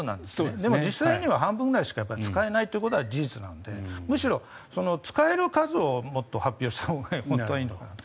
でも、実際には半分ぐらいしか使えないというのが事実なのでむしろ、使える数をもっと発表したほうが本当はいいのかなと。